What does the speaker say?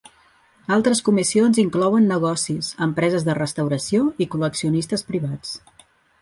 Altres comissions inclouen negocis, empreses de restauració i col·leccionistes privats.